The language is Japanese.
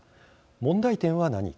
問題点は何か。